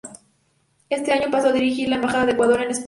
En ese año pasó a dirigir la embajada de Ecuador en España.